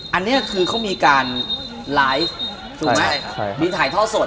อันนี้คือเขามีการไลฟ์ถูกไหมมีถ่ายท่อสด